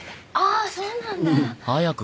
あっそうなんだ。